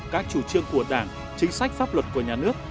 các chủ trương của đảng chính sách pháp luật của nhà nước